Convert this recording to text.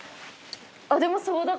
あっでもそうだ。